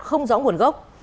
không rõ nguồn gốc